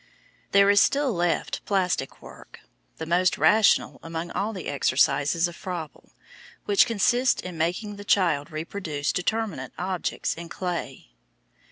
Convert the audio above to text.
There is still left plastic work,–the most rational among all the exercises of Froebel,–which consists in making the child reproduce determinate objects in clay.